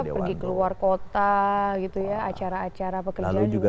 pergi keluar kota gitu ya acara acara pekerjaan juga